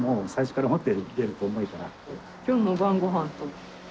今日の晩ごはんと。